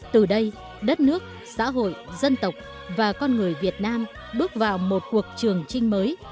từ đây đất nước xã hội dân tộc và con người việt nam bước vào một cuộc trường trinh mới